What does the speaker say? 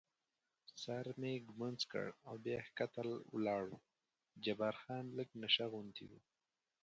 سر مې ږمنځ کړ او بیا کښته ولاړو، جبار خان لږ نشه غوندې و.